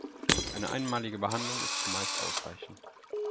Eine einmalige Behandlung ist zumeist ausreichend.